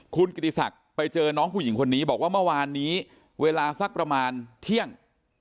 คุณกิติศักดิ์ไปเจอน้องผู้หญิงคนนี้บอกว่าเมื่อวานนี้เวลาสักประมาณเที่ยง